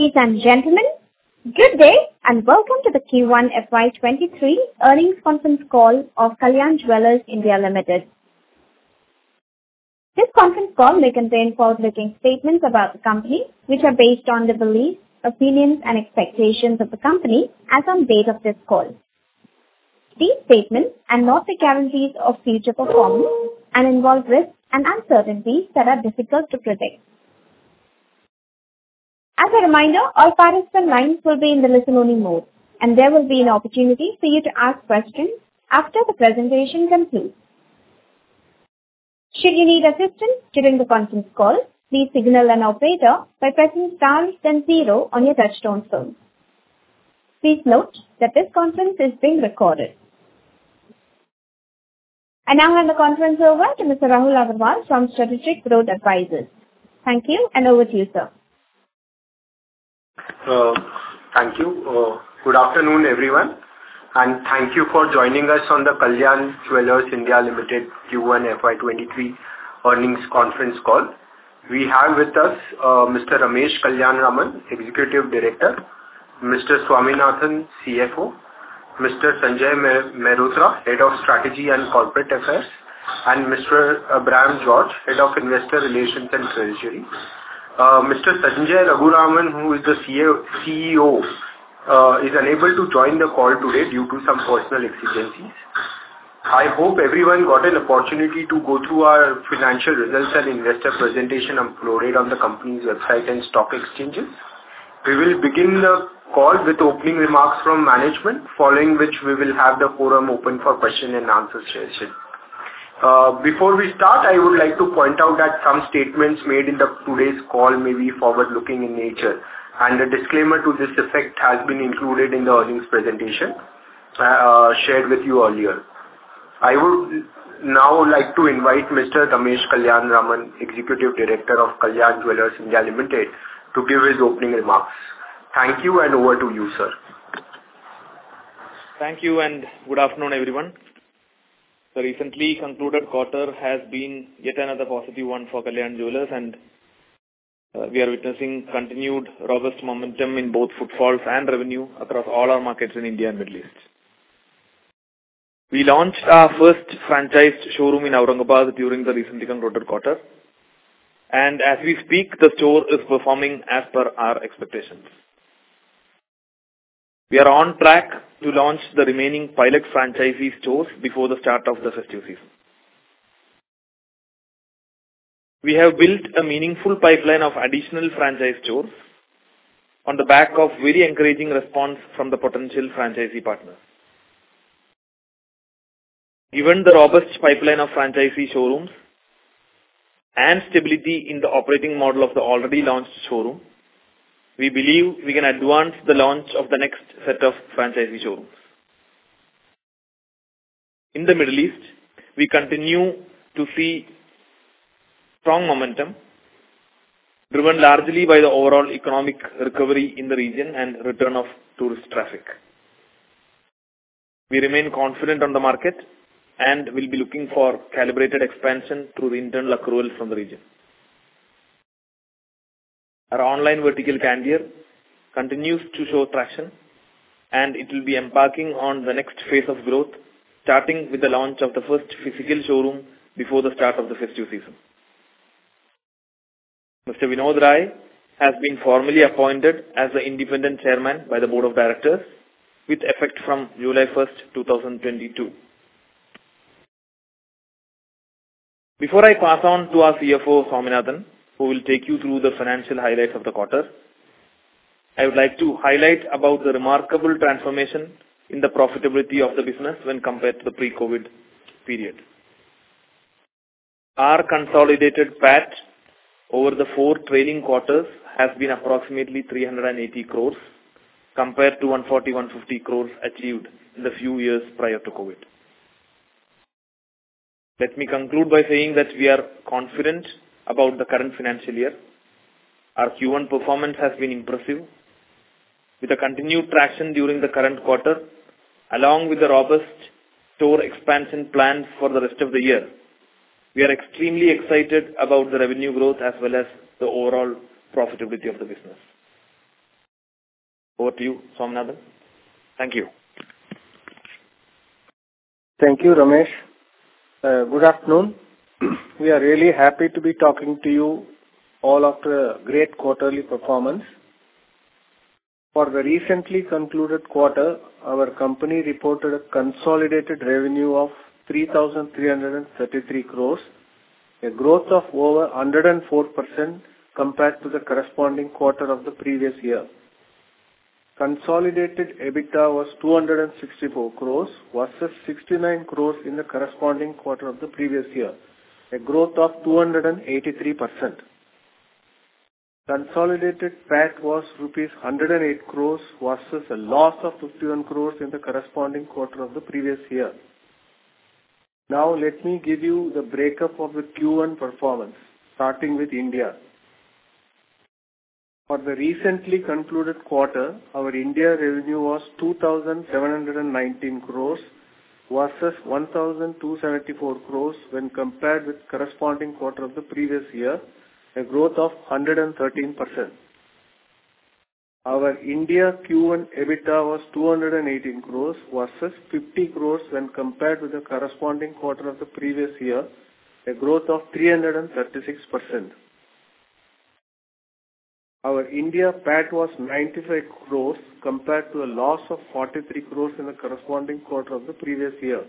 Ladies and gentlemen, good day, and welcome to the Q1 FY 2023 earnings conference call of Kalyan Jewellers India Ltd. This conference call may contain forward-looking statements about the company, which are based on the beliefs, opinions, and expectations of the company as on date of this call. These statements are not the guarantees of future performance and involve risks and uncertainties that are difficult to predict. As a reminder, all participant lines will be in the listen-only mode, and there will be an opportunity for you to ask questions after the presentation concludes. Should you need assistance during the conference call, please signal an operator by pressing star then zero on your touchtone phone. Please note that this conference is being recorded. Now I'll hand the conference over to Mr. Rahul Agarwal from Strategic Growth Advisors. Thank you, and over to you, sir. Thank you. Good afternoon, everyone, and thank you for joining us on the Kalyan Jewellers India Ltd Q1 FY 2023 earnings conference call. We have with us Mr. Ramesh Kalyanaraman, Executive Director, Mr. Swaminathan, CFO, Mr. Sanjay Mehrotra, Head of Strategy and Corporate Affairs, and Mr. Abraham George, Head of Investor Relations and Treasury. Mr. Sanjay Raghuraman, who is the CEO, is unable to join the call today due to some personal contingencies. I hope everyone got an opportunity to go through our financial results and investor presentation uploaded on the company's website and stock exchanges. We will begin the call with opening remarks from management, following which we will have the forum open for question and answer session. Before we start, I would like to point out that some statements made in today's call may be forward-looking in nature, and a disclaimer to this effect has been included in the earnings presentation, shared with you earlier. I would now like to invite Mr. Ramesh Kalyanaraman, Executive Director of Kalyan Jewellers India Ltd, to give his opening remarks. Thank you, and over to you, sir. Thank you, and good afternoon, everyone. The recently concluded quarter has been yet another positive one for Kalyan Jewellers, and we are witnessing continued robust momentum in both footfalls and revenue across all our markets in India and Middle East. We launched our first franchised showroom in Aurangabad during the recently concluded quarter. As we speak, the store is performing as per our expectations. We are on track to launch the remaining pilot franchisee stores before the start of the festive season. We have built a meaningful pipeline of additional franchise stores on the back of very encouraging response from the potential franchisee partners. Given the robust pipeline of franchisee showrooms and stability in the operating model of the already launched showroom, we believe we can advance the launch of the next set of franchisee showrooms. In the Middle East, we continue to see strong momentum driven largely by the overall economic recovery in the region and return of tourist traffic. We remain confident on the market and will be looking for calibrated expansion through the internal accruals from the region. Our online vertical, Candere, continues to show traction, and it will be embarking on the next phase of growth, starting with the launch of the first physical showroom before the start of the festive season. Mr. Vinod Rai has been formally appointed as the Independent Chairman by the Board of Directors with effect from July 1st, 2022. Before I pass on to our CFO, Swaminathan, who will take you through the financial highlights of the quarter, I would like to highlight about the remarkable transformation in the profitability of the business when compared to the pre-COVID period. Our consolidated PAT over the four trading quarters has been approximately 380 crore compared to 140 crore, 150 crore achieved in the few years prior to COVID. Let me conclude by saying that we are confident about the current financial year. Our Q1 performance has been impressive. With the continued traction during the current quarter, along with the robust store expansion plans for the rest of the year, we are extremely excited about the revenue growth as well as the overall profitability of the business. Over to you, Swaminathan. Thank you. Thank you, Ramesh. Good afternoon. We are really happy to be talking to you all after a great quarterly performance. For the recently concluded quarter, our company reported a consolidated revenue of 3,333 crore, a growth of over 104% compared to the corresponding quarter of the previous year. Consolidated EBITDA was 264 crore versus 69 crore in the corresponding quarter of the previous year, a growth of 283%. Consolidated PAT was rupees 108 crore versus a loss of 51 crore in the corresponding quarter of the previous year. Now let me give you the breakup of the Q1 performance, starting with India. For the recently concluded quarter, our India revenue was 2,719 crore versus 1,274 crores when compared with corresponding quarter of the previous year, a growth of 113%. Our India Q1 EBITDA was 280 crores versus 50 crores when compared with the corresponding quarter of the previous year, a growth of 336%. Our India PAT was 95 crores compared to a loss of 43 crores in the corresponding quarter of the previous year.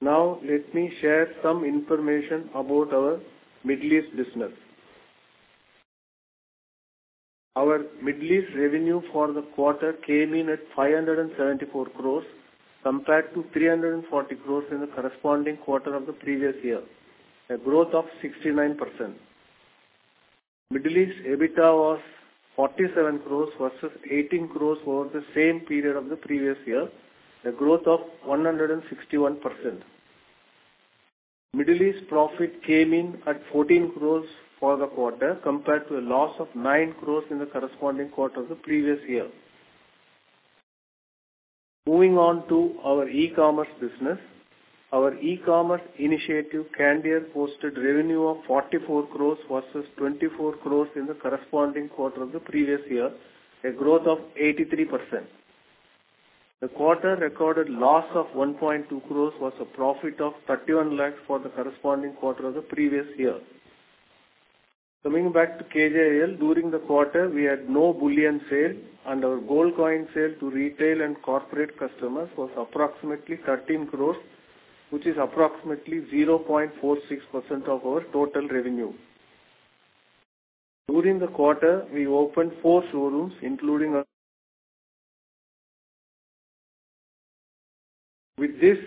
Now let me share some information about our Middle East business. Our Middle East revenue for the quarter came in at 574 crores compared to 340 crores in the corresponding quarter of the previous year, a growth of 69%. Middle East EBITDA was 47 crores versus 18 crores over the same period of the previous year, a growth of 161%. Middle East profit came in at 14 crores for the quarter compared to a loss of 9 crores in the corresponding quarter of the previous year. Moving on to our e-commerce business. Our e-commerce initiative, Candere, posted revenue of 44 crores versus 24 crores in the corresponding quarter of the previous year, a growth of 83%. The quarter recorded loss of 1.2 crores was a profit of 31 lakhs for the corresponding quarter of the previous year. Coming back to KJL, during the quarter, we had no bullion sale, and our gold coin sale to retail and corporate customers was approximately 13 crores, which is approximately 0.46% of our total revenue. During the quarter, we opened four showrooms, including a. With this,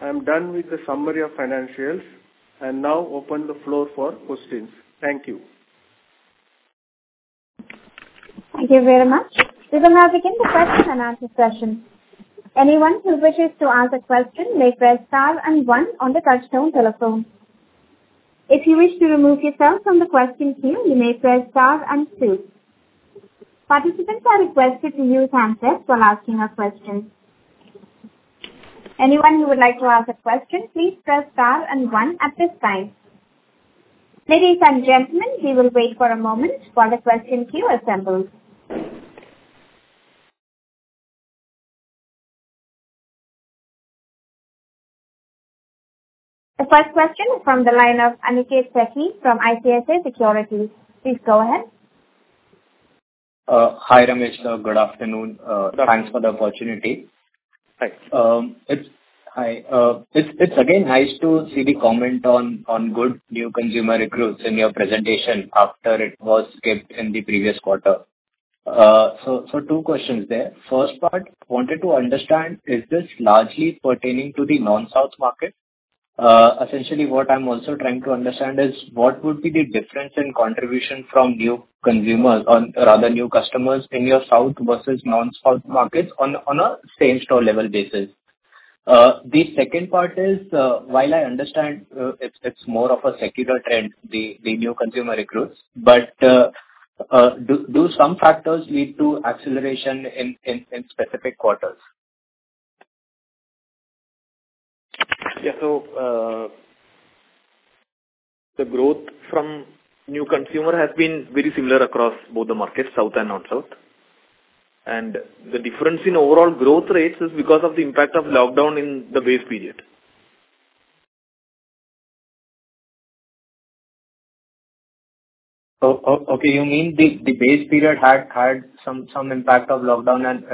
I'm done with the summary of financials and now open the floor for questions. Thank you. Thank you very much. We will now begin the question and answer session. Anyone who wishes to ask a question may press star and one on the touchtone telephone. If you wish to remove yourself from the question queue, you may press star and two. Participants are requested to use handset while asking a question. Anyone who would like to ask a question, please press star and one at this time. Ladies and gentlemen, we will wait for a moment while the question queue assembles. The first question from the line of Aniket Sethi from ICICI Securities. Please go ahead. Hi, Ramesh. Good afternoon. Thanks for the opportunity. Hi. It's again nice to see the comment on good new consumer recruits in your presentation after it was kept in the previous quarter. Two questions there. First part, wanted to understand, is this largely pertaining to the non-South market? Essentially what I'm also trying to understand is what would be the difference in contribution from new consumers, or rather new customers in your South versus non-South markets on a same store level basis. The second part is, while I understand, it's more of a secular trend, the new consumer recruits, but do some factors lead to acceleration in specific quarters? The growth from new consumer has been very similar across both the markets, South and non-South. The difference in overall growth rates is because of the impact of lockdown in the base period. Okay. You mean the base period had some impact of lockdown and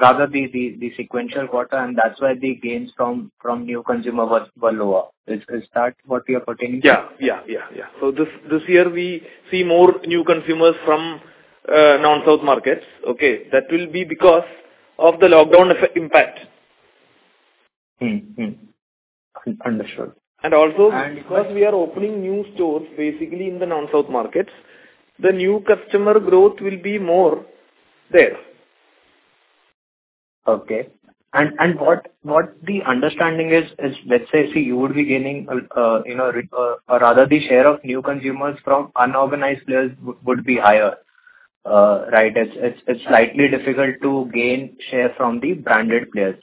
rather the sequential quarter, and that's why the gains from new consumer were lower. Is that what you're pertaining to? Yeah. This year we see more new consumers from non-South markets. Okay. That will be because of the lockdown effect impact. Mm-hmm. Understood. And also And Because we are opening new stores basically in the non-South markets, the new customer growth will be more there. Okay. What the understanding is, let's say, see, you would be gaining, you know, or rather the share of new consumers from unorganized players would be higher. Right? It's slightly difficult to gain share from the branded players.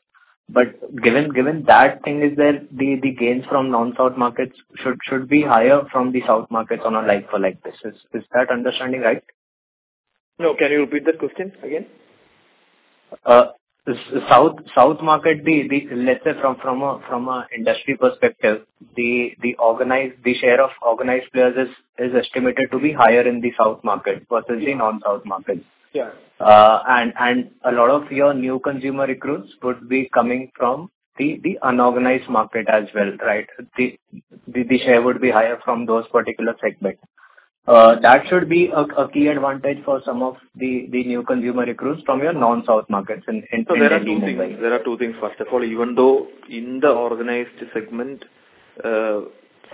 Given that thing is there, the gains from non-South markets should be higher from the South markets on a like for like basis. Is that understanding right? No, can you repeat the question again? South market, be it lesser from an industry perspective, the share of organized players is estimated to be higher in the South market versus the non-South market. Yeah. A lot of your new consumer recruits would be coming from the unorganized market as well, right? The share would be higher from those particular segments. That should be a key advantage for some of the new consumer recruits from your non-South markets in There are two things. First of all, even though in the organized segment,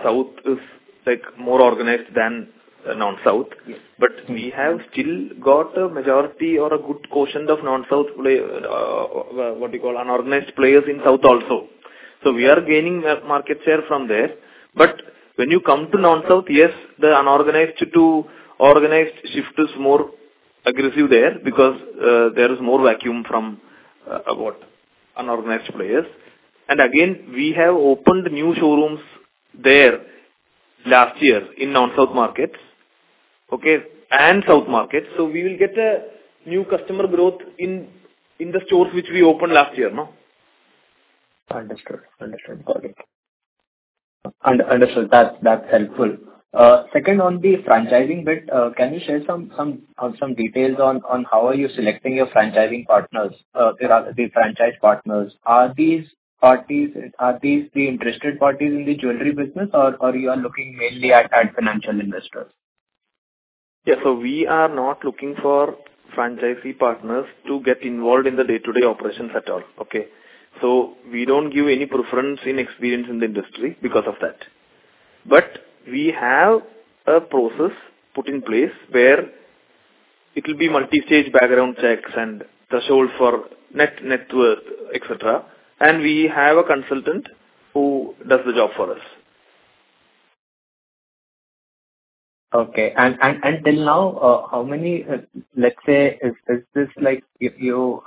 South is, like, more organized than non-South. Yes. We have still got a majority or a good quotient of non-South play, what you call, unorganized players in South also. We are gaining that market share from there. When you come to non-South, yes, the unorganized to organized shift is more aggressive there because there is more vacuum from what? Unorganized players. We have opened new showrooms there last year in non-South markets, okay? South markets. We will get a new customer growth in the stores which we opened last year, no? Understood. Got it. That's helpful. Second, on the franchising bit, can you share some details on how are you selecting your franchising partners, or rather the franchise partners? Are these the interested parties in the jewelry business or you are looking mainly at financial investors? Yeah. We are not looking for franchisee partners to get involved in the day-to-day operations at all, okay? We don't give any preference in experience in the industry because of that. We have a process put in place where it'll be multi-stage background checks and threshold for net worth, et cetera, and we have a consultant who does the job for us. Okay. Till now, how many, let's say, is this like if you're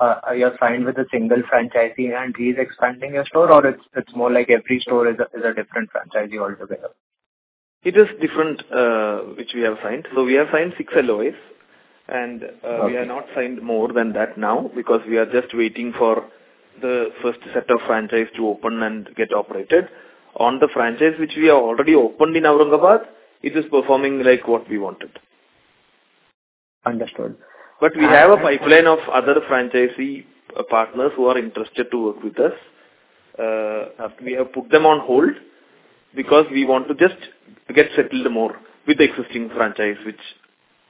signed with a single franchisee and he's expanding your store or it's more like every store is a different franchisee altogether? It is different, which we have signed. We have signed six LOIs and, Okay. We have not signed more than that now because we are just waiting for the first set of franchise to open and get operated. On the franchise which we have already opened in Aurangabad, it is performing like what we wanted. Understood. We have a pipeline of other franchisee partners who are interested to work with us. We have put them on hold because we want to just get settled more with the existing franchise which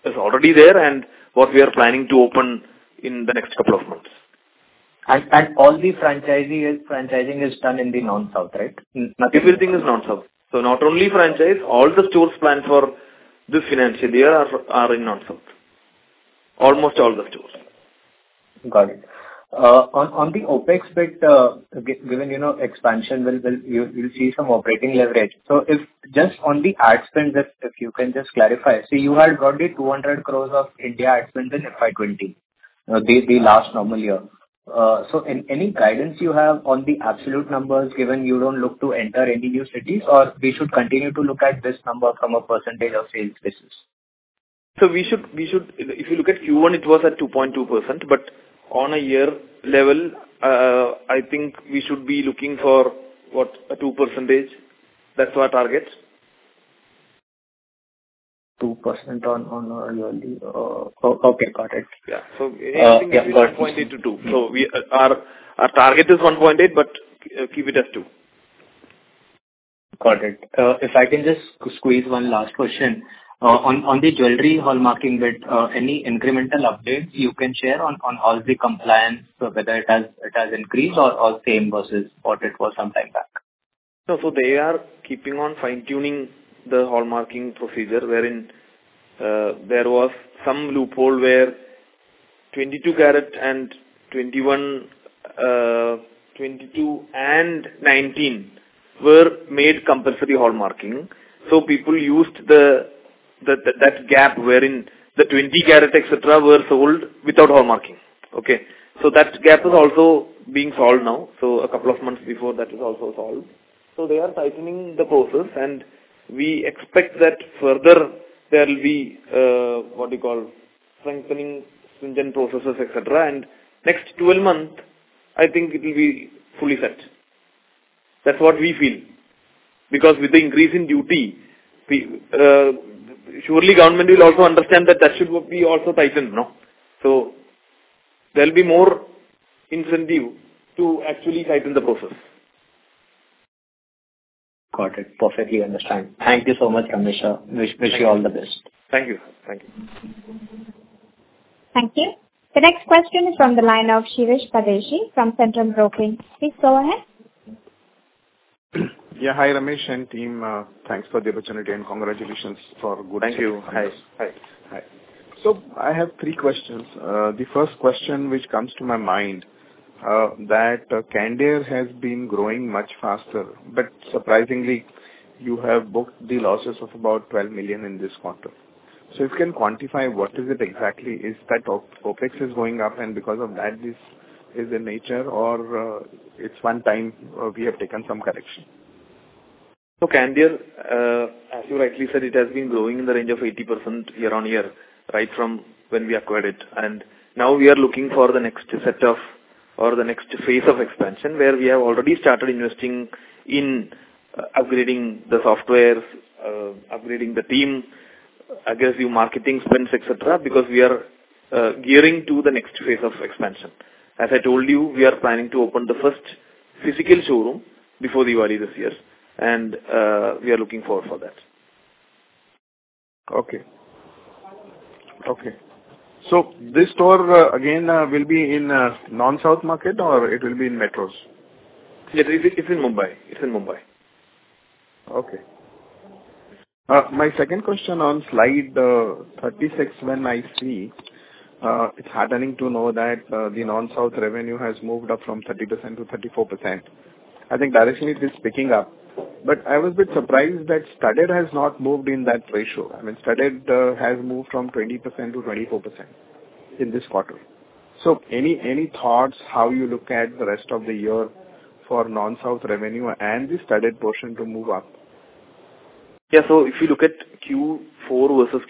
is already there and what we are planning to open in the next couple of months. All the franchising is done in the non-South, right? Everything is non-South. Not only franchise, all the stores planned for this financial year are in non-South. Almost all the stores. Got it. On the OpEx bit, given, you know, expansion will, you'll see some operating leverage. If just on the ad spend, if you can just clarify. You had roughly 200 crores of India ad spend in FY 2020. The last normal year. Any guidance you have on the absolute numbers given you don't look to enter any new cities or we should continue to look at this number from a percentage of sales basis? We should. If you look at Q1, it was at 2.2%, but on a year level, I think we should be looking for what? A 2%. That's our target. 2% on annually. Okay, got it. Yeah. Anything Yeah. Got it. Above 1.8% to 2%. Our target is 1.8%, but keep it as 2%. Got it. If I can just squeeze one last question. On the jewelry hallmarking bit, any incremental updates you can share on all the compliance, so whether it has increased or same versus what it was some time back? No, they are keeping on fine-tuning the hallmarking procedure, wherein there was some loophole where 22 karat and 21, 22 and 19 were made compulsory hallmarking. People used that gap wherein the 20 karat, et cetera, were sold without hallmarking. Okay. That gap is also being solved now. A couple of months ago that is also solved. They are tightening the process, and we expect that further there'll be strengthening certain processes, et cetera. Next 12 months, I think it will be fully set. That's what we feel. Because with the increase in duty, we're sure the government will also understand that that should be also tightened, no. There'll be more incentive to actually tighten the process. Got it. Perfectly understand. Thank you so much, Ramesh. Wish you all the best. Thank you. Thank you. Thank you. The next question is from the line of Shirish Pardeshi from Centrum Broking. Please go ahead. Yeah. Hi, Ramesh and team. Thanks for the opportunity and congratulations for good Thank you. Hi. Hi. Hi. I have three questions. The first question which comes to my mind, that Candere has been growing much faster, but surprisingly you have booked the losses of about 12 million in this quarter. If you can quantify what is it exactly? Is that OpEx is going up and because of that this is the nature or, it's one time, we have taken some correction. Candere, as you rightly said, it has been growing in the range of 80% year-on-year, right from when we acquired it. Now we are looking for the next set of or the next phase of expansion, where we have already started investing in upgrading the software, upgrading the team, aggressive marketing spends, et cetera, because we are gearing to the next phase of expansion. As I told you, we are planning to open the first physical showroom before Diwali this year and we are looking for that. Okay. This store, again, will be in non-South market or it will be in metros? It's in Mumbai. Okay, my second question on slide 36 when I see, it's heartening to know that the non-South revenue has moved up from 30% to 34%. I think directionally it is picking up. I was a bit surprised that studded has not moved in that ratio. I mean, studded has moved from 20% to 24% in this quarter. Any thoughts how you look at the rest of the year for non-South revenue and the studded portion to move up? If you look at Q4 versus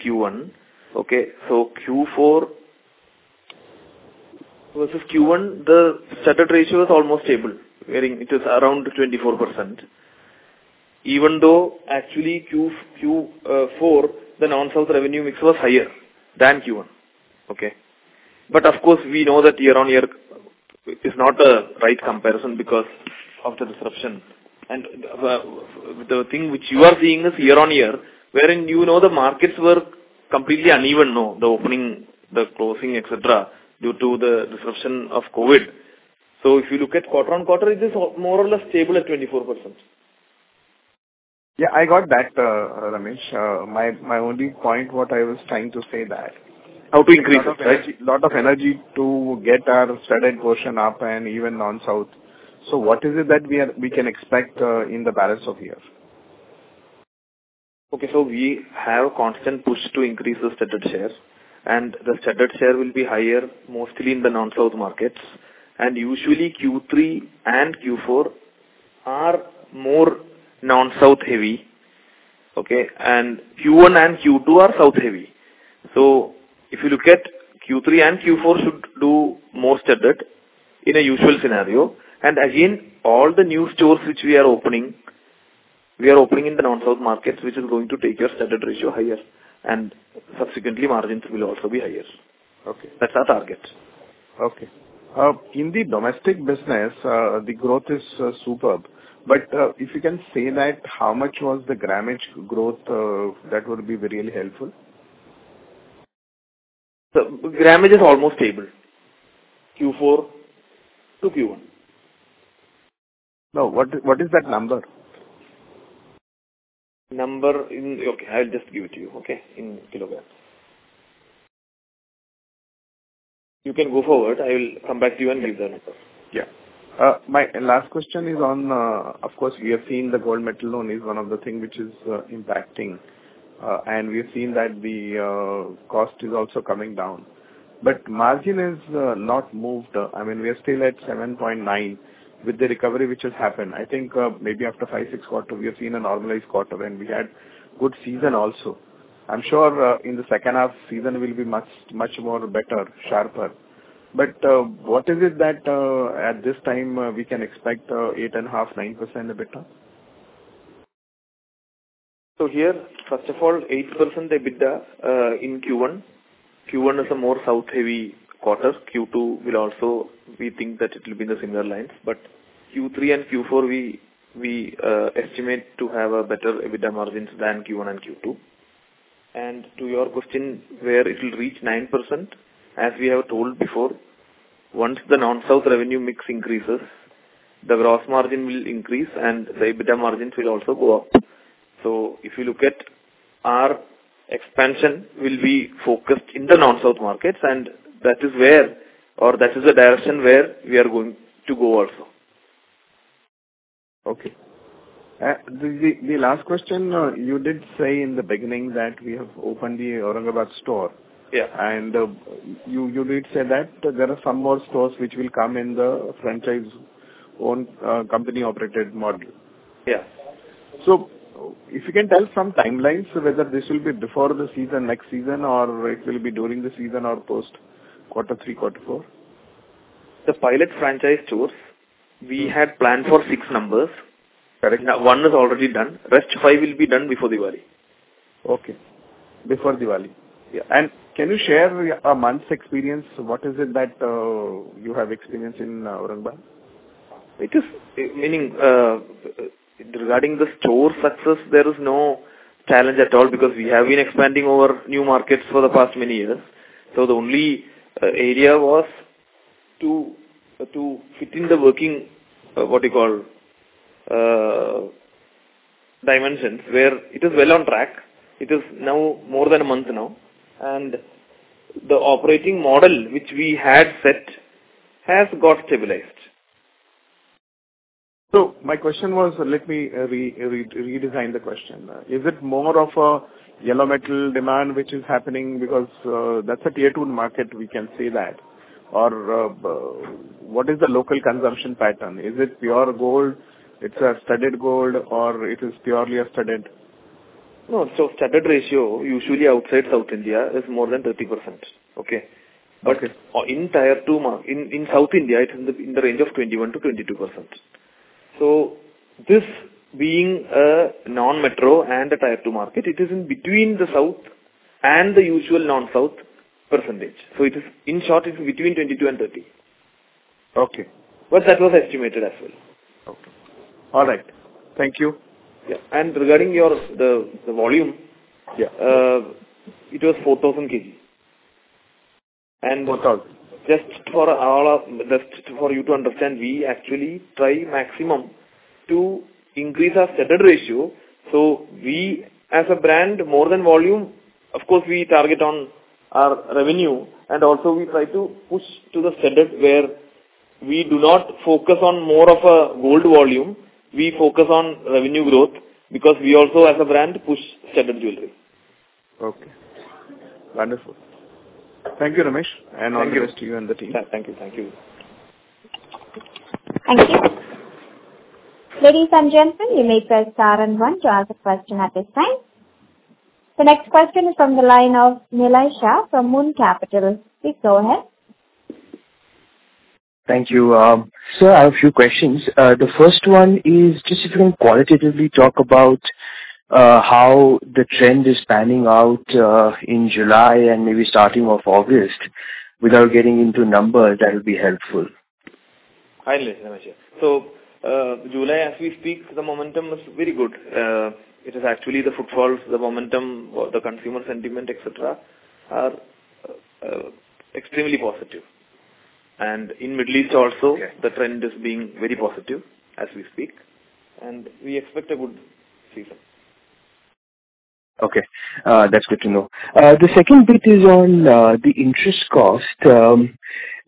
Q1, the studded ratio is almost stable, wherein it is around 24%. Even though actually Q4, the non-South revenue mix was higher than Q1. Of course, we know that year-on-year is not the right comparison because of the disruption. The thing which you are seeing is year-on-year, wherein you know the markets were completely uneven, no? The opening, the closing, et cetera, due to the disruption of COVID. If you look at quarter-on-quarter, it is more or less stable at 24%. Yeah, I got that, Ramesh. My only point what I was trying to say that. How to increase it, right? a lot of energy to get our studded portion up and even non-South. What is it that we can expect in the balance of the year? Okay. We have constant push to increase the studded shares, and the studded share will be higher mostly in the non-South markets. Usually Q3 and Q4 are more non-South heavy, okay? Q1 and Q2 are South heavy. If you look at Q3 and Q4 should do more studded in a usual scenario. Again, all the new stores which we are opening, we are opening in the non-South markets, which is going to take your studded ratio higher, and subsequently margins will also be higher. Okay. That's our target. Okay. In the domestic business, the growth is superb. If you can say that how much was the grammage growth, that would be really helpful. The grammage is almost stable, Q4 to Q1. No. What is that number? Okay, I'll just give it to you, okay? In kilograms. You can go forward. I will come back to you and give the numbers. Yeah. My last question is on, of course, we have seen the gold metal loan is one of the thing which is impacting, and we've seen that the cost is also coming down. Margin is not moved. I mean, we are still at 7.9% with the recovery which has happened. I think, maybe after five, six quarters, we have seen a normalized quarter and we had good season also. I'm sure, in the second half season will be much, much more better, sharper. What is it that, at this time, we can expect, 8.5%-9% EBITDA? Here, first of all, 8% EBITDA in Q1. Q1 is a more South-heavy quarter. Q2 will also, we think that it will be in the similar lines. Q3 and Q4 we estimate to have a better EBITDA margins than Q1 and Q2. To your question, where it will reach 9%, as we have told before, once the non-South revenue mix increases, the gross margin will increase and the EBITDA margins will also go up. If you look at our expansion will be focused in the non-South markets, and that is where, or that is the direction where we are going to go also. Okay. The last question, you did say in the beginning that we have opened the Aurangabad store. Yeah. You did say that there are some more stores which will come in the franchise-owned company-operated model. Yeah. If you can tell some timelines whether this will be before the season, next season or it will be during the season or post quarter three, quarter four? The pilot franchise stores we had planned for six numbers. Correct. Now one is already done. Rest five will be done before Diwali. Okay. Before Diwali. Yeah. Can you share a month's experience, what is it that you have experienced in Aurangabad? It is, I mean, regarding the store success, there is no challenge at all because we have been expanding over new markets for the past many years. The only area was to fit in the working, what you call, dimensions where it is well on track. It is now more than a month now. The operating model which we had set has got stabilized. My question was, let me redesign the question. Is it more of a yellow metal demand which is happening? Because that's a tier two market, we can say that. Or what is the local consumption pattern? Is it pure gold? It's a studded gold or it is purely a studded? No. Studded ratio usually outside South India is more than 30%. Okay? Okay. In South India it's in the range of 21%-22%. This being a non-metro and a tier two market, it is in between the South and the usual non-South percentage. In short, it's between 22% and 30%. Okay. That was estimated as well. Okay. All right. Thank you. Yeah. Regarding your the volume Yeah. It was 4,000 kgs. Just for you to understand, we actually try maximum to increase our standard ratio. We as a brand, more than volume, of course, we target on our revenue. We also try to push to the standard where we do not focus on more of a gold volume. We focus on revenue growth because we also as a brand push standard jewelry. Okay. Wonderful. Thank you, Ramesh. Thank you. All the best to you and the team. Thank you. Thank you. Thank you. Ladies and gentlemen, you may press star and one to ask a question at this time. The next question is from the line of Nilesh Shah from Moon Capital. Please go ahead. Thank you. Sir, I have a few questions. The first one is just if you can qualitatively talk about how the trend is panning out in July and maybe starting of August? Without getting into numbers, that'll be helpful. Finally, Nilesh Shah. July, as we speak, the momentum was very good. It is actually the footfalls, the momentum, or the consumer sentiment, et cetera, are extremely positive. In Middle East also. Okay. The trend is being very positive as we speak, and we expect a good season. Okay. That's good to know. The second bit is on the interest cost.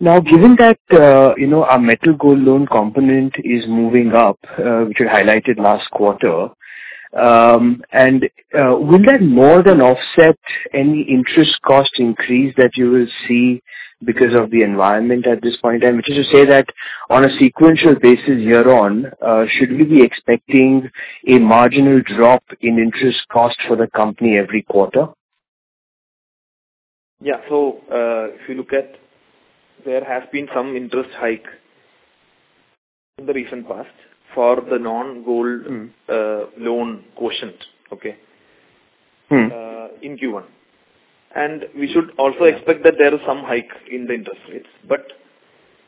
Now, given that you know, our metal gold loan component is moving up, which you highlighted last quarter, and will that more than offset any interest cost increase that you will see because of the environment at this point in time? Which is to say that on a sequential basis year on, should we be expecting a marginal drop in interest cost for the company every quarter? Yeah. If you look at there has been some interest rate hike in the recent past for the non-gold Mm-hmm. loan quotient. Okay. In Q1. We should also expect that there is some hike in the interest rates.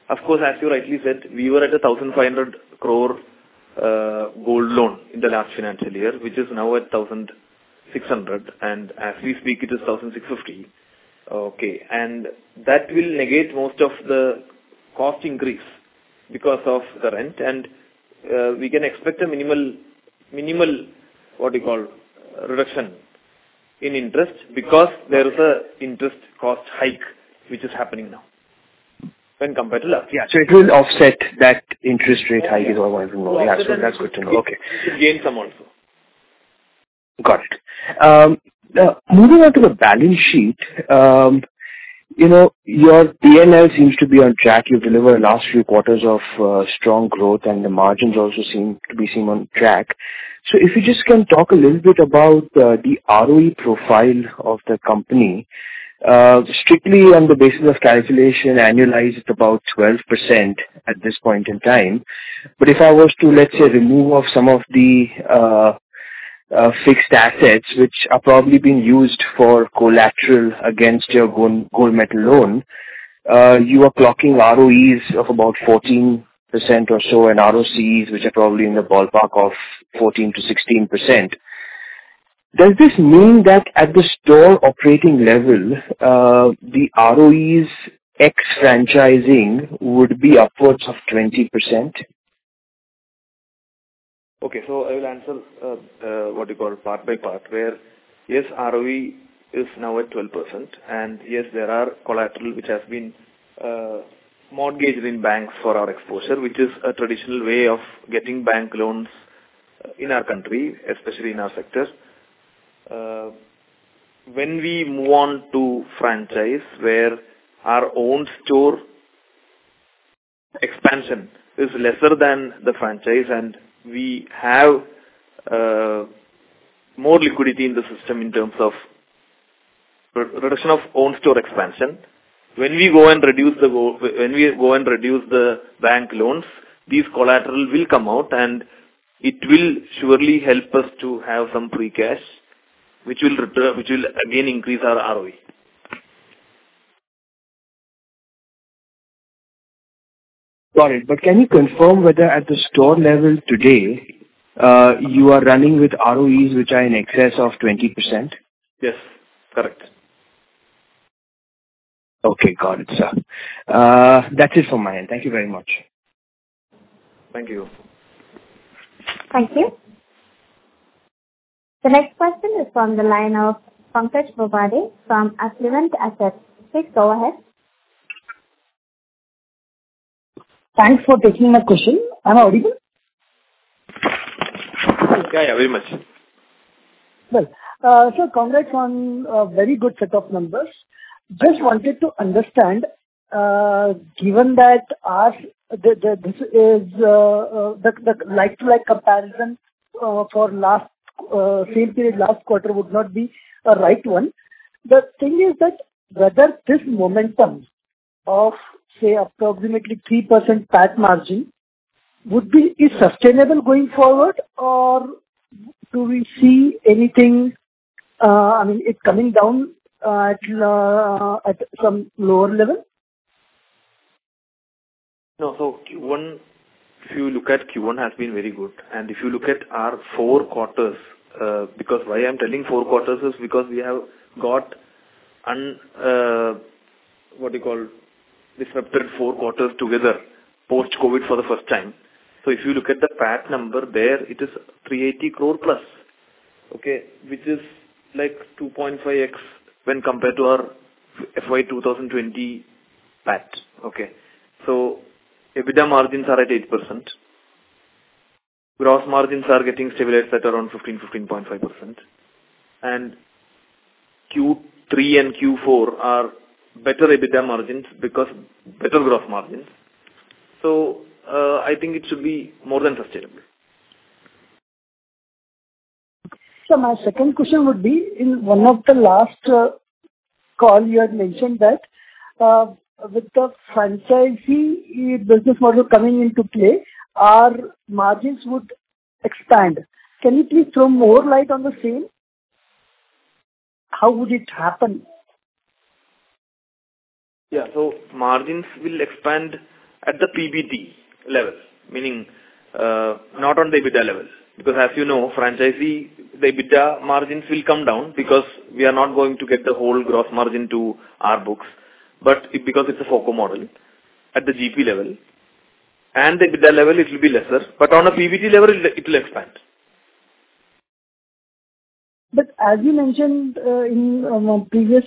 Of course, as you rightly said, we were at 1,500 crore gold loan in the last financial year, which is now at 1,600 crore, and as we speak it is 1,650 crore. Okay. That will negate most of the cost increase because of the rent. We can expect a minimal, what do you call, reduction in interest because there is a interest cost hike which is happening now when compared to last year. Yeah. It will offset that interest rate hike. That's good to know. Okay. We should gain some also. Got it. Now moving on to the balance sheet, you know, your P&L seems to be on track. You've delivered last few quarters of strong growth and the margins also seem to be on track. If you just can talk a little bit about the ROE profile of the company. Strictly on the basis of calculation, annualized about 12% at this point in time. If I was to, let's say, remove some of the fixed assets which are probably being used for collateral against your gold metal loan, you are clocking ROEs of about 14% or so and ROCs which are probably in the ballpark of 14%-16%. Does this mean that at the store operating level, the ROEs ex-franchising would be upwards of 20%? Okay. I will answer part by part where, yes, ROE is now at 12%, and yes, there are collateral which has been mortgaged in banks for our exposure, which is a traditional way of getting bank loans in our country, especially in our sector. When we move on to franchise where our own store expansion is lesser than the franchise and we have more liquidity in the system in terms of reduction of own store expansion. When we go and reduce the bank loans, these collateral will come out and it will surely help us to have some free cash which will return, which will again increase our ROE. Got it. Can you confirm whether at the store level today, you are running with ROEs which are in excess of 20%? Yes. Correct. Okay. Got it, sir. That's it from my end. Thank you very much. Thank you. Thank you. The next question is from the line of Pankaj Bobade from Affluent Assets. Please go ahead. Thanks for taking my question. Am I audible? Yeah, yeah, very much. Well, congrats on a very good set of numbers. Just wanted to understand, this is the like-for-like comparison for last same period last quarter would not be a right one. The thing is that whether this momentum of, say, approximately 3% PAT margin would be, is sustainable going forward or do we see anything, I mean, it coming down at some lower level? No. Q1, if you look at Q1 has been very good. If you look at our four quarters, because why I'm telling four quarters is because we have got an undisrupted four quarters together, post-COVID, for the first time. If you look at the PAT number there, it is 380 crore+. Which is like 2.5x when compared to our FY 2020 PAT. EBITDA margins are at 8%. Gross margins are getting stabilized at around 15.5%. Q3 and Q4 are better EBITDA margins because better gross margins. I think it should be more than sustainable. My second question would be, in one of the last call you had mentioned that, with the franchisee business model coming into play, our margins would expand. Can you please throw more light on the same? How would it happen? Yeah. Margins will expand at the PBT level, meaning not on the EBITDA level, because as you know, franchisee, the EBITDA margins will come down because we are not going to get the whole gross margin to our books. But because it's a FOCO model at the GP level and the EBITDA level, it will be lesser, but on a PBT level it will expand. As you mentioned in one of previous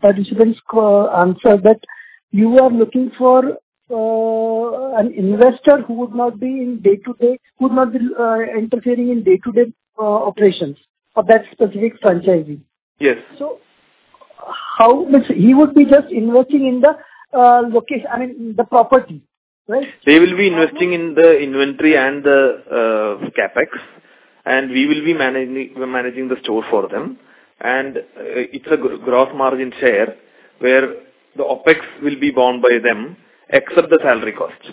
participants' call answer that you are looking for an investor who would not be interfering in day-to-day operations for that specific franchisee. Yes. How much he would be just investing in the location, I mean, the property, right? They will be investing in the inventory and the CapEx, and we will be managing the store for them. It's a gross margin share, where the OpEx will be borne by them except the salary costs.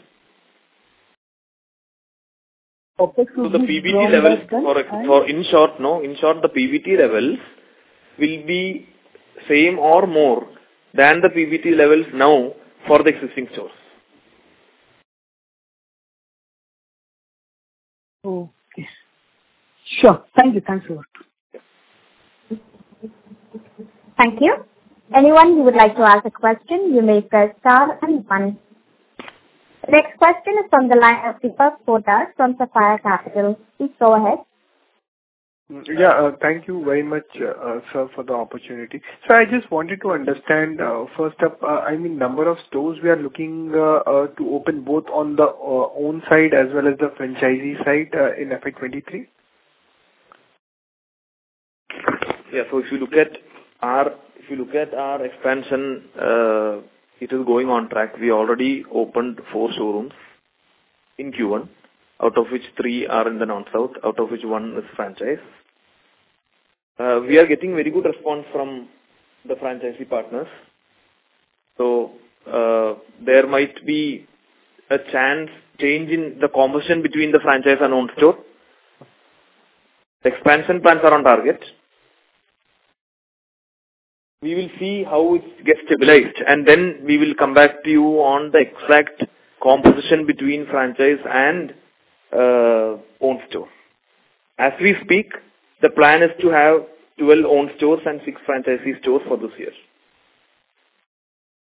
OpEx will be. In short, no. The PBT levels will be same or more than the PBT levels now for the existing stores. Oh, yes. Sure. Thank you. Thanks a lot. Thank you. Anyone who would like to ask a question, you may press star and one. Next question is on the line. Deepak Poddar from Sapphire Capital. Please go ahead. Thank you very much, sir, for the opportunity. I just wanted to understand, first up, I mean, number of stores we are looking to open both on the owned side as well as the franchisee side in FY 2023? Yeah. If you look at our expansion, it is going on track. We already opened four showrooms in Q1, out of which three are in the non-South, out of which one is franchise. We are getting very good response from the franchisee partners. There might be a change in the composition between the franchise and owned store. The expansion plans are on target. We will see how it gets stabilized, and then we will come back to you on the exact composition between franchise and owned store. As we speak, the plan is to have 12 owned stores and six franchisee stores for this year.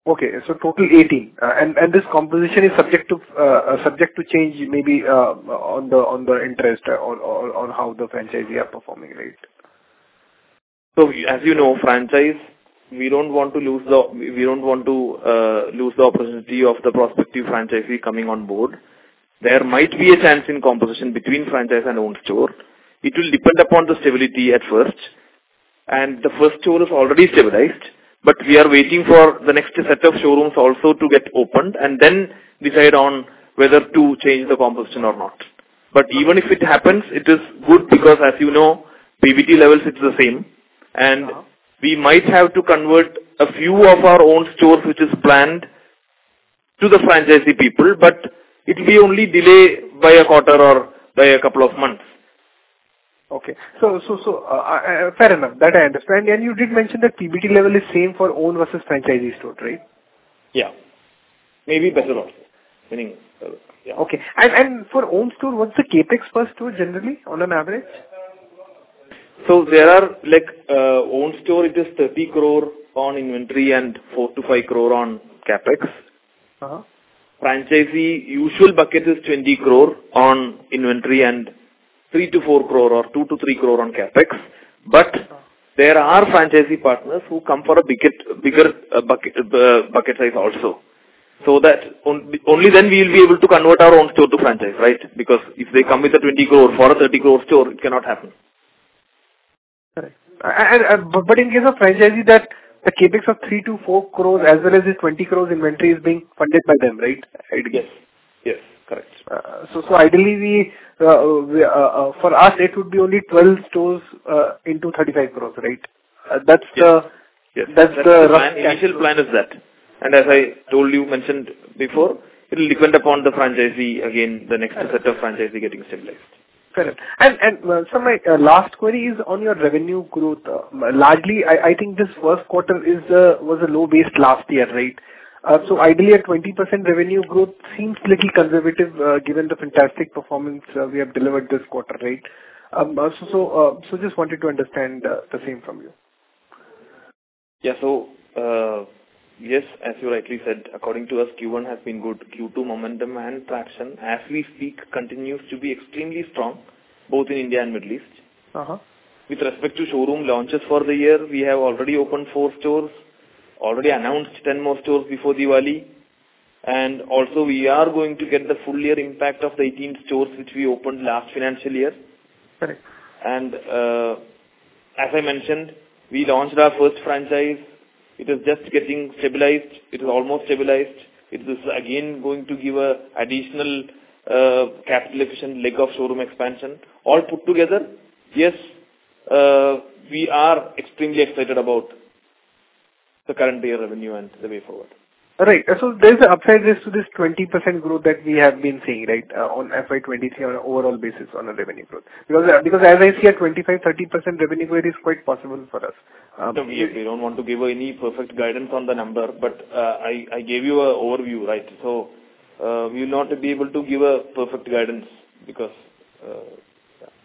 Okay. Total 18. And this composition is subject to change maybe, on the interest or on how the franchisee are performing, right? As you know, franchise, we don't want to lose the opportunity of the prospective franchisee coming on board. There might be a chance in composition between franchise and owned store. It will depend upon the stability at first, and the first store is already stabilized, but we are waiting for the next set of showrooms also to get opened and then decide on whether to change the composition or not. Even if it happens, it is good because as you know, PBT levels, it's the same, and. Yeah. We might have to convert a few of our own stores which is planned to the franchisee people, but it will be only delay by a quarter or by a couple of months. Okay. Fair enough. That I understand. You did mention that PBT level is same for owned versus franchisee store, right? Yeah. Maybe better also. Meaning, yeah. Okay. For owned store, what's the CapEx per store generally on an average? There are like, owned store it is 30 crore on inventory and 4-5 crore on CapEx. Uh-huh. Franchisee, usual bucket is 20 crore on inventory and 3-4 crore or 2-3 crore on CapEx. There are franchisee partners who come for a bigger bucket size also. That only then we will be able to convert our own store to franchisee, right? Because if they come with a 20 crore for a 30 crore store, it cannot happen. Correct. In case of franchisee that the CapEx of 3-4 crore as well as the 20 crore inventory is being funded by them, right? Yes. Yes. Correct. Ideally for us it would be only 12 stores into 35 crores, right? That's the Yes. That's the rough. Initial plan is that. As I told you, mentioned before, it'll depend upon the franchisee again, the next set of franchisee getting stabilized. Correct. Sir, my last query is on your revenue growth. Largely, I think this first quarter was a low base last year, right? So ideally a 20% revenue growth seems little conservative, given the fantastic performance we have delivered this quarter, right? So just wanted to understand the same from you. Yeah. Yes, as you rightly said, according to us, Q1 has been good. Q2 momentum and traction as we speak continues to be extremely strong both in India and Middle East. Uh-huh. With respect to showroom launches for the year, we have already opened four stores, already announced 10 more stores before Diwali, and also we are going to get the full year impact of the 18 stores which we opened last financial year. Correct. As I mentioned, we launched our first franchise. It is just getting stabilized. It is almost stabilized. It is again going to give a additional, capital efficient leg of showroom expansion. All put together, yes, we are extremely excited about the current year revenue and the way forward. All right. There's an upside risk to this 20% growth that we have been seeing, right, on FY 2023 on an overall basis on the revenue growth. Because as I see a 25%-30% revenue growth is quite possible for us. We don't want to give any perfect guidance on the number, but, I gave you a overview, right? So, we will not be able to give a perfect guidance because,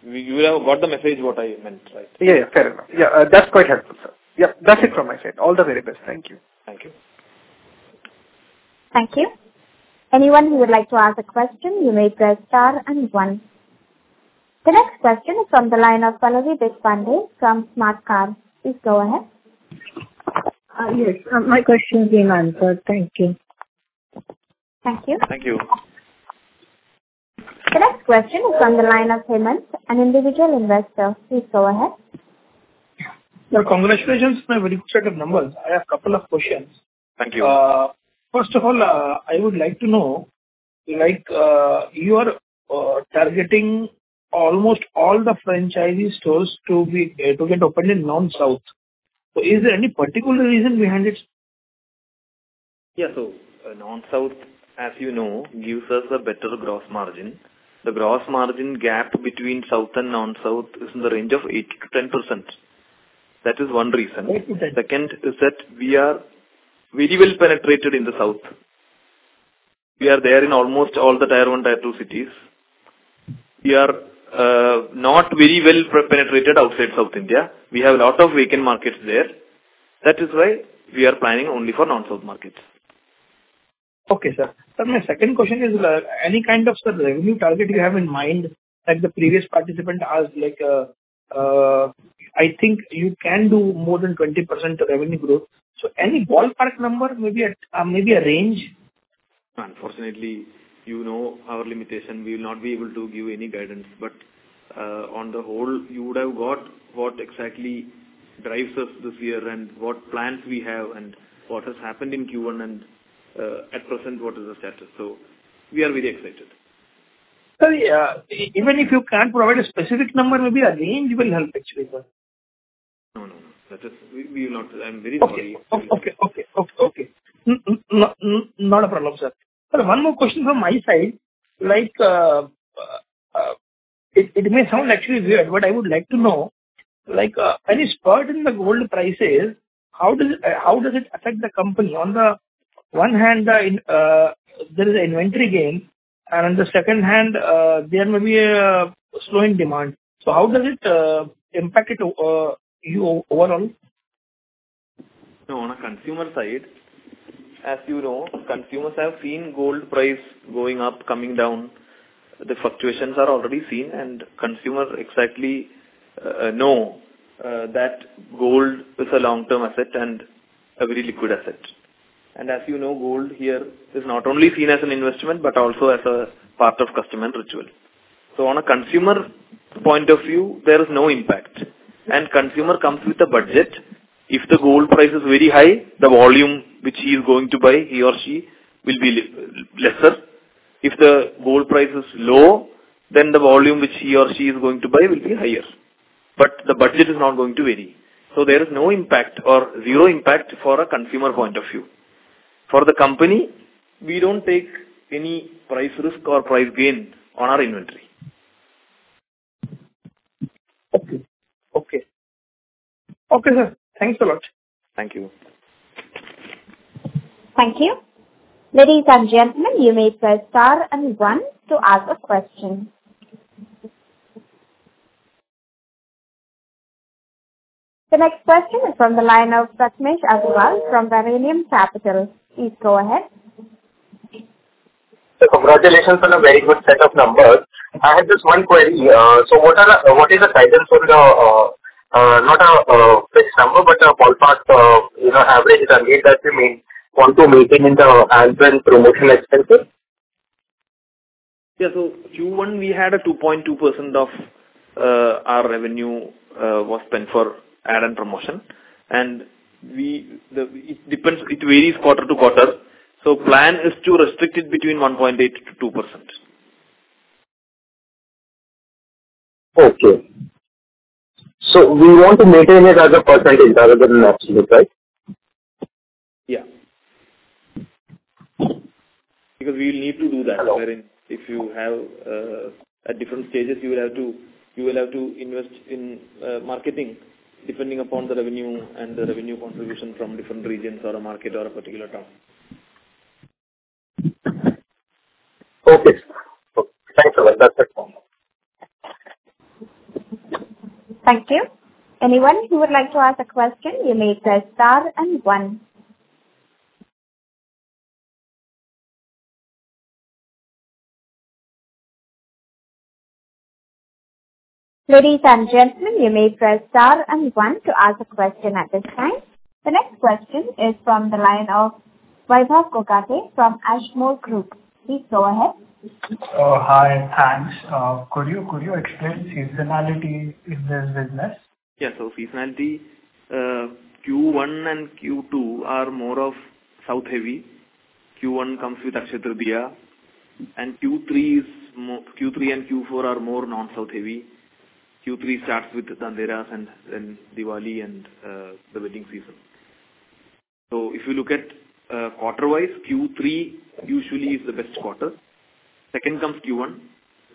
you have got the message what I meant, right? Yeah, yeah. Fair enough. Yeah, that's quite helpful, sir. Yeah, that's it from my side. All the very best. Thank you. Thank you. Thank you. Anyone who would like to ask a question, you may press star and one. The next question is from the line of [Palani] Deshpande from Smartkarma. Please go ahead. Yes. My question has been answered. Thank you. Thank you. Thank you. The next question is from the line of Hemant, an individual investor. Please go ahead. Yeah. Congratulations on a very good set of numbers. I have a couple of questions. Thank you. First of all, I would like to know, like, you are targeting almost all the franchisee stores to get opened in non-South. Is there any particular reason behind it? Non-South, as you know, gives us a better gross margin. The gross margin gap between South and non-South is in the range of 8%-10%. That is one reason. Okay. Second is that we are very well penetrated in the South. We are there in almost all the Tier One, Tier Two cities. We are not very well penetrated outside South India. We have a lot of vacant markets there. That is why we are planning only for non-South markets. Okay, sir. Sir, my second question is, any kind of revenue target you have in mind, like the previous participant asked, like, I think you can do more than 20% revenue growth. Any ballpark number, maybe at, maybe a range? Unfortunately, you know our limitation. We will not be able to give any guidance. On the whole, you would have got what exactly drives us this year and what plans we have and what has happened in Q1 and, at present, what is the status. We are very excited. Sorry, even if you can't provide a specific number, maybe a range will help actually, sir. No, no. We will not. I'm very scary. Okay. Not a problem, sir. Sir, one more question from my side. Like, it may sound actually weird, but I would like to know, like, any spurt in the gold prices, how does it affect the company? On the one hand, there is inventory gain, and on the second hand, there may be a slowing demand. How does it impact it you overall? No, on a consumer side, as you know, consumers have seen gold price going up, coming down. The fluctuations are already seen, and consumers exactly know that gold is a long-term asset and a very liquid asset. As you know, gold here is not only seen as an investment, but also as a part of cultural ritual. On a consumer point of view, there is no impact. Consumer comes with a budget. If the gold price is very high, the volume which he is going to buy, he or she, will be lesser. If the gold price is low, then the volume which he or she is going to buy will be higher. The budget is not going to vary. There is no impact or zero impact for a consumer point of view. For the company, we don't take any price risk or price gain on our inventory. Okay, sir. Thanks a lot. Thank you. Thank you. Ladies and gentlemen, you may press star and one to ask a question. The next question is from the line of Ashish Agrawal from Banyan Capital. Please go ahead. Sir, congratulations on a very good set of numbers. I have just one query. What is the guidance for the not a fixed number, but a ballpark, you know, average that we may want to maintain in the ad and promotion expenses? Yeah. Q1, we had a 2.2% of our revenue was spent for ad and promotion. It depends. It varies quarter to quarter. Plan is to restrict it between 1.8%-2%. Okay. We want to maintain it as a percentage rather than an absolute, right? Yeah. Because we will need to do that, wherein if you have, at different stages, you will have to invest in marketing depending upon the revenue and the revenue contribution from different regions or a market or a particular town. Okay. Thanks a lot. That's it for now. Thank you. Anyone who would like to ask a question, you may press star and one. Ladies and gentlemen, you may press star and one to ask a question at this time. The next question is from the line of Vaibhav Gogate from Ashmore Group. Please go ahead. Oh, hi. Thanks. Could you explain seasonality in the business? Seasonality, Q1 and Q2 are more of South-heavy. Q1 comes with Akshaya Tritiya, and Q3 and Q4 are more non-South heavy. Q3 starts with Dhanteras and Diwali and the wedding season. If you look at, quarter-wise, Q3 usually is the best quarter. Second comes Q1,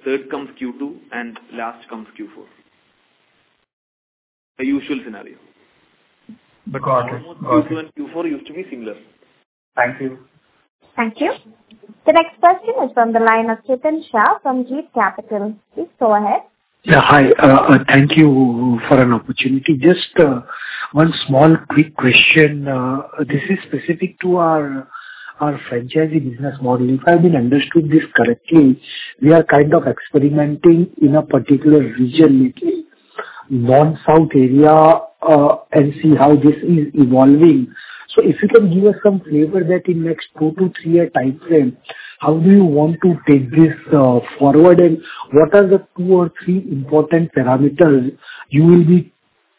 third comes Q2, and last comes Q4. The usual scenario. The quarter. Okay. Q2 and Q4 used to be similar. Thank you. Thank you. The next question is from the line of Chetan Shah from Jeet Capital. Please go ahead. Yeah, hi. Thank you for an opportunity. Just one small quick question. This is specific to our franchisee business model. If I have understood this correctly, we are kind of experimenting in a particular region, non-South area, and see how this is evolving. If you can give us some flavor that in next two to three year timeframe, how do you want to take this forward? What are the two or three important parameters you will be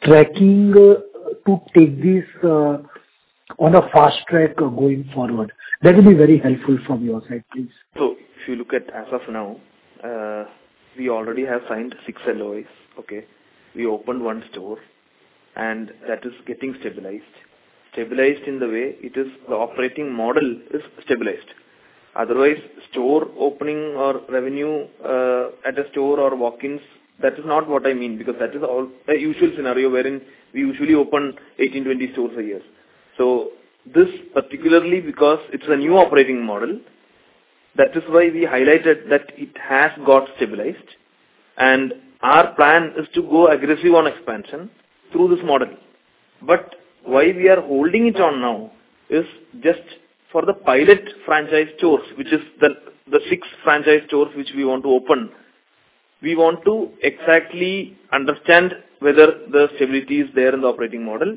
tracking to take this on a fast track going forward? That would be very helpful from your side, please. If you look at as of now, we already have signed six LOIs. Okay? We opened one store, and that is getting stabilized. Stabilized in the way it is, the operating model is stabilized. Otherwise, store opening or revenue at a store or walk-ins, that is not what I mean because that is all a usual scenario wherein we usually open 18, 20 stores a year. This particularly because it's a new operating model, that is why we highlighted that it has got stabilized and our plan is to go aggressive on expansion through this model. Why we are holding it on now is just for the pilot franchise stores, which is the six franchise stores which we want to open. We want to exactly understand whether the stability is there in the operating model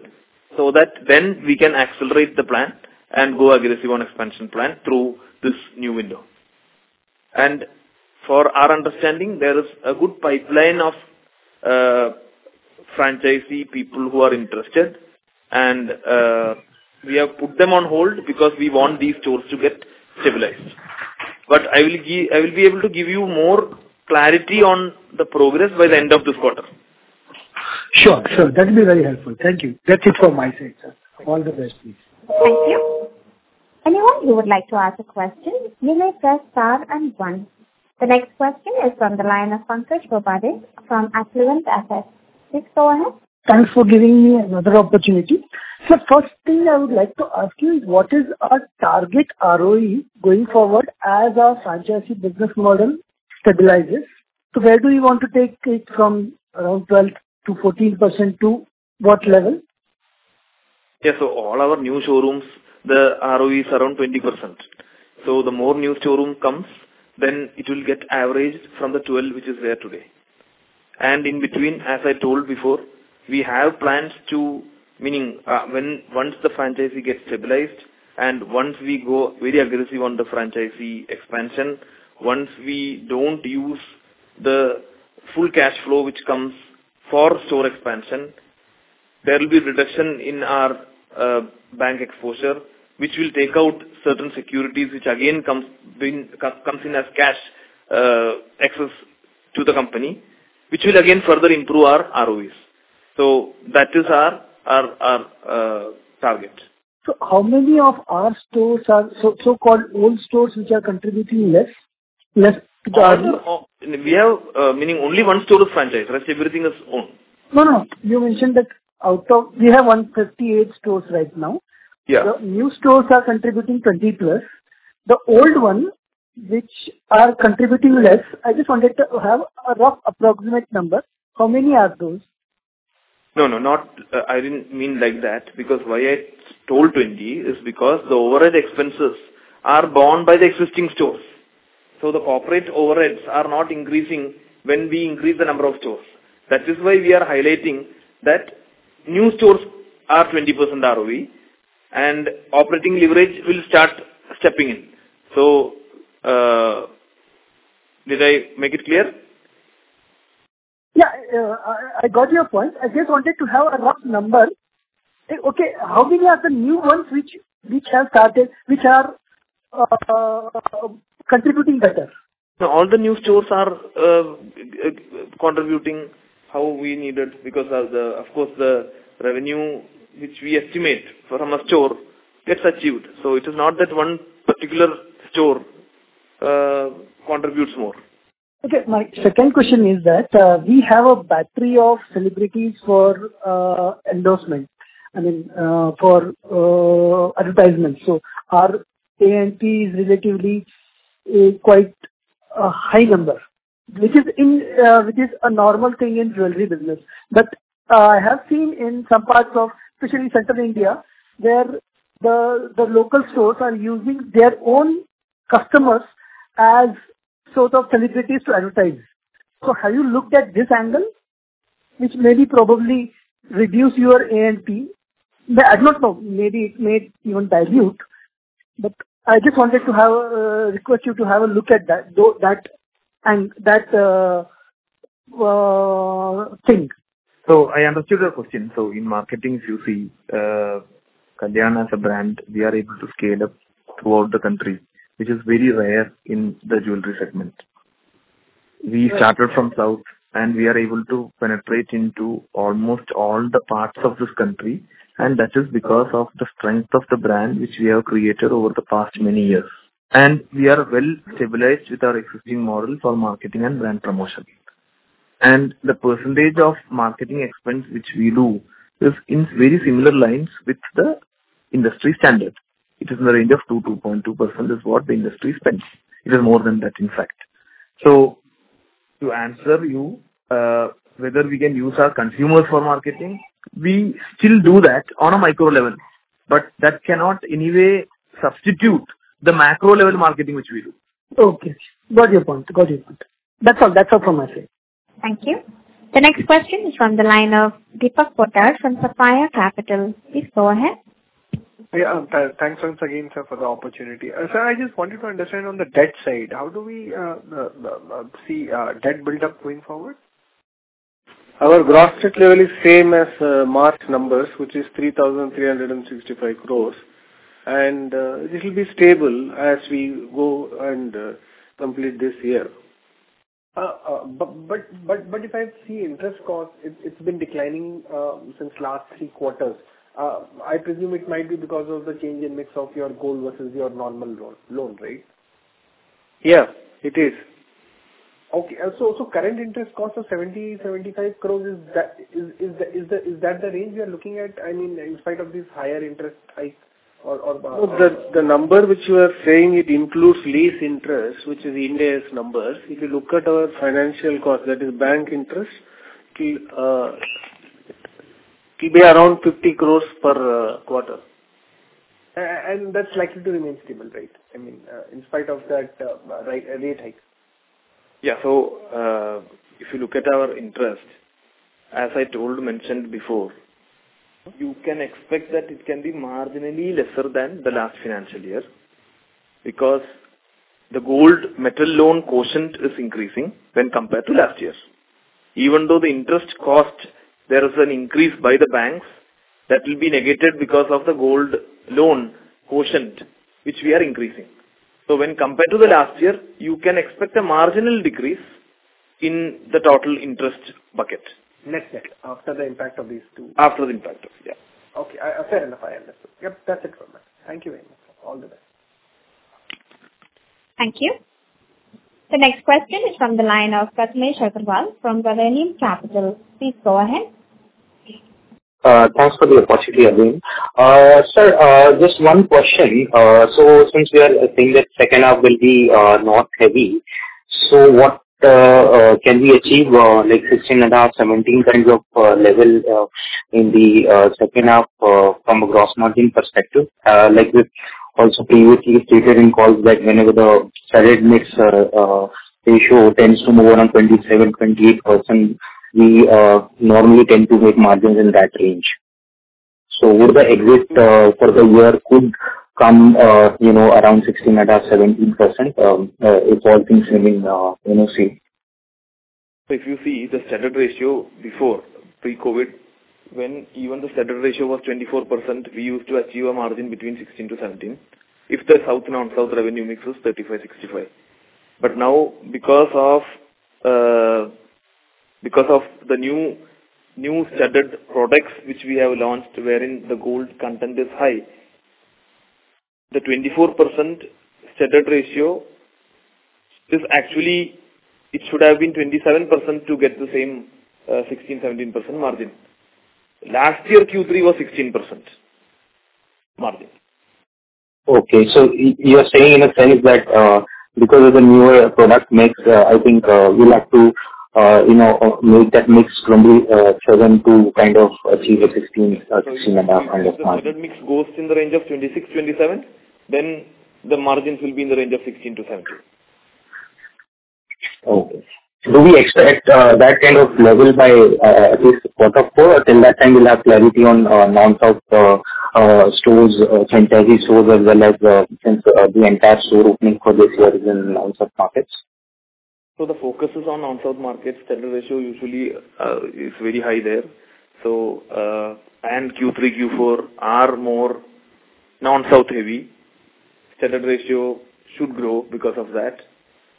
so that then we can accelerate the plan and go aggressive on expansion plan through this new window. For our understanding, there is a good pipeline of franchisee people who are interested and we have put them on hold because we want these stores to get stabilized. I will be able to give you more clarity on the progress by the end of this quarter. Sure. That'd be very helpful. Thank you. That's it from my side, sir. All the best, please. Thank you. Anyone who would like to ask a question, you may press star and one. The next question is from the line of Pankaj Bobade from Affluent Assets. Please go ahead. Thanks for giving me another opportunity. First thing I would like to ask you, what is our target ROE going forward as our franchisee business model stabilizes? Where do you want to take it from around 12%-14% to what level? Yeah. All our new showrooms, the ROE is around 20%. The more new showroom comes then it will get averaged from the 12% which is there today. In between, as I told before, we have plans. Meaning, when once the franchisee gets stabilized and once we go very aggressive on the franchisee expansion, once we don't use the full cash flow which comes for store expansion, there will be reduction in our bank exposure, which will take out certain securities which again comes in as cash excess to the company, which will again further improve our ROEs. That is our target. How many of our stores are so-called old stores which are contributing less to the ROE? Oh, we have, meaning only one store is franchised, rest everything is owned. No, no. You mentioned that we have 158 stores right now. Yeah. The new stores are contributing 20+. The old ones which are contributing less, I just wanted to have a rough approximate number. How many are those? I didn't mean like that because why I told 20 is because the overhead expenses are borne by the existing stores. The corporate overheads are not increasing when we increase the number of stores. That is why we are highlighting that new stores are 20% ROE and operating leverage will start stepping in. Did I make it clear? Yeah. I got your point. I just wanted to have a rough number. Okay. How many are the new ones which have started which are contributing better? All the new stores are contributing how we need it because of the. Of course, the revenue which we estimate from a store gets achieved. It is not that one particular store contributes more. Okay. My second question is that we have a battery of celebrities for endorsement, I mean, for advertisement. Our A&P is relatively quite a high number, which is a normal thing in jewelry business. I have seen in some parts of especially central India, where the local stores are using their own customers as sort of celebrities to advertise. Have you looked at this angle, which may probably reduce your A&P? I'm not sure. Maybe it may even dilute, but I just wanted to request you to have a look at that, though that thing. I understood your question. In marketing, you see, Kalyan as a brand, we are able to scale up throughout the country, which is very rare in the jewelry segment. Right. We started from South, and we are able to penetrate into almost all the parts of this country, and that is because of the strength of the brand which we have created over the past many years. We are well-stabilized with our existing model for marketing and brand promotion. The percentage of marketing expense which we do is in very similar lines with the industry standard. It is in the range of 2%-2.2% is what the industry spends. It is more than that, in fact. To answer you, whether we can use our consumers for marketing, we still do that on a micro level, but that cannot in any way substitute the macro level marketing which we do. Okay. Got your point. That's all from my side. Thank you. The next question is from the line of Deepak Poddar from Sapphire Capital. Please go ahead. Yeah. Thanks once again, sir, for the opportunity. Sir, I just wanted to understand on the debt side, how do we see debt buildup going forward? Our gross debt level is same as March numbers, which is 3,365 crores. This will be stable as we go and complete this year. If I see interest cost, it's been declining since last three quarters. I presume it might be because of the change in mix of your gold versus your normal loan, right? Yeah, it is. Current interest cost of 70-75 crore, is that the range we are looking at? I mean, in spite of this higher interest hike or No, the number which you are saying, it includes lease interest, which is Ind AS numbers. If you look at our finance cost, that is bank interest, it'll be around INR 50 crore per quarter. That's likely to remain stable, right? I mean, in spite of that rate hike. If you look at our interest, as I told, mentioned before, you can expect that it can be marginally lesser than the last financial year because the gold metal loan quotient is increasing when compared to last year's. Even though the interest cost, there is an increase by the banks, that will be negated because of the gold loan quotient, which we are increasing. When compared to the last year, you can expect a marginal decrease in the total interest bucket. Net-net, after the impact of these two. After the impact of. Yeah. Okay. Fair enough. I understood. Yep, that's it from me. Thank you very much. All the best. Thank you. The next question is from the line of [Prathamesh] Agrawal from Varanium Capital. Please go ahead. Thanks for the opportunity again. Sir, just one question. Since we are saying that second half will be north heavy, what can we achieve like 16.5-17 kind of level in the second half from a gross margin perspective? Like with also previously stated in calls that whenever the studded mix ratio tends to move around 27%-28%, we normally tend to make margins in that range. Would the exit for the year could come you know around 16.5%-17% if all things remaining same? If you see the studded ratio before pre-COVID, when even the studded ratio was 24%, we used to achieve a margin between 16%-17%, if the South and non-South revenue mix was 35, 65. Now because of the new studded products which we have launched, wherein the gold content is high, the 24% studded ratio is actually, it should have been 27% to get the same, 16, 17% margin. Last year, Q3 was 16% margin. Okay. You are saying in a sense that because of the newer product mix, I think you'll have to you know make that mix 27% to kind of achieve a 16%-16.5% kind of margin. If the studded mix goes in the range of 26%-27%, then the margins will be in the range of 16%-17%. Okay. Do we expect that kind of level by at least quarter four? Until that time we'll have clarity on non-South stores, franchisee stores as well as since the entire store opening for this year is in non-South markets. The focus is on non-South markets. Studded ratio usually is very high there. Q3, Q4 are more non-South heavy. Studded ratio should grow because of that.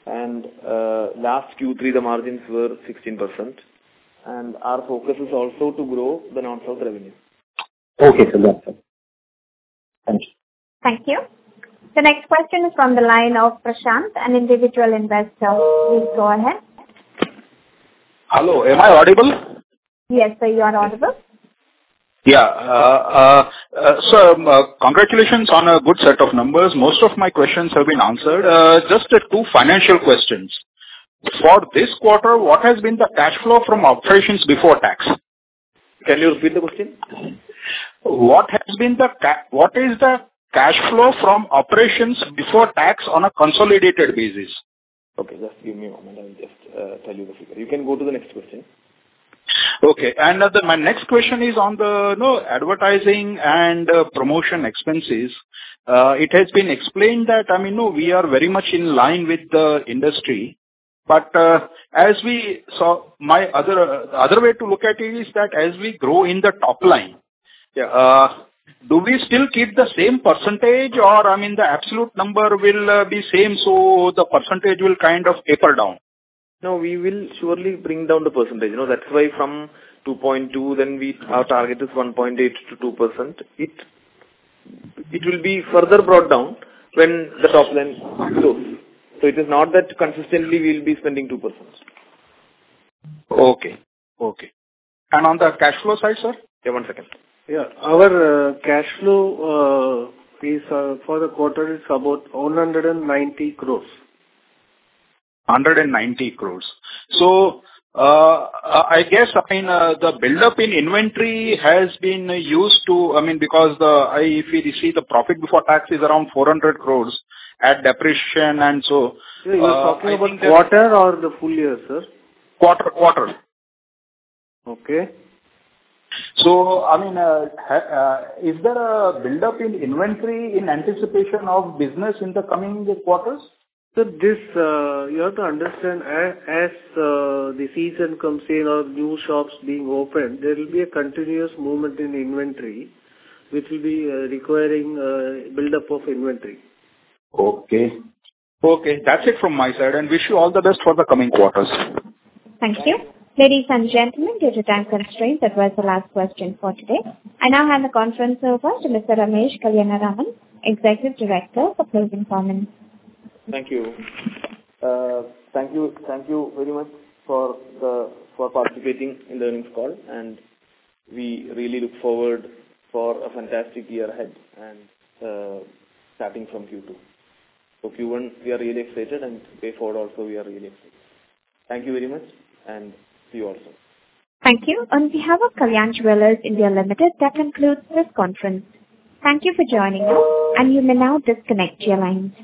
Last Q3 the margins were 16% and our focus is also to grow the non-South revenue. Okay, sir. That's all. Thank you. Thank you. The next question is from the line of Prashant, an individual investor. Please go ahead. Hello. Am I audible? Yes, sir, you are audible. Yeah. Congratulations on a good set of numbers. Most of my questions have been answered. Just two financial questions. For this quarter, what has been the cash flow from operations before tax? Can you repeat the question? What is the cash flow from operations before tax on a consolidated basis? Okay. Just give me a moment. I'll just tell you the figure. You can go to the next question. Okay. My next question is on the advertising and promotion expenses. It has been explained that, I mean, you know, we are very much in line with the industry, but my other way to look at it is that as we grow in the top line- Yeah Do we still keep the same percentage or, I mean, the absolute number will be same, so the percentage will kind of taper down? No, we will surely bring down the percentage. You know, that's why from 2.2%, our target is 1.8%-2%. It will be further brought down when the top line grows. It is not that consistently we'll be spending 2%. Okay. On the cash flow side, sir? Yeah, one second. Yeah. Our cash flow for the quarter is about 190 crores. 190 crores. I guess, I mean, the buildup in inventory has been used to. I mean, because, if you see the profit before tax is around 400 crores, add depreciation and, I think the- You're talking about quarter or the full year, sir? Quarter. Okay. I mean, is there a buildup in inventory in anticipation of business in the coming quarters? This, you have to understand, as the season comes in or new shops being opened, there will be a continuous movement in inventory, which will be requiring buildup of inventory. Okay. That's it from my side, and wish you all the best for the coming quarters. Thank you. Ladies and gentlemen, due to time constraints, that was the last question for today. I now hand the conference over to Mr. Ramesh Kalyanaraman, Executive Director for closing comments. Thank you very much for participating in the earnings call, and we really look forward for a fantastic year ahead and starting from Q2. For Q1, we are really excited, and today forward also we are really excited. Thank you very much, and see you all soon. Thank you. On behalf of Kalyan Jewellers India Limited, that concludes this conference. Thank you for joining us, and you may now disconnect your lines.